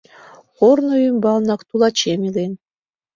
Корно ӱмбалнак тулачем илен.